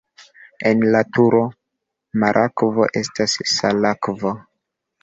En naturo marakvo estas salakvo.